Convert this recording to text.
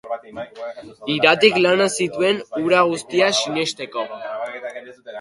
Iratik lanak zituen hura guztia sinesteko.